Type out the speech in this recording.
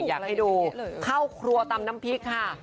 อยากให้ดูเข้าครัวตำน้ำพริกค่ะ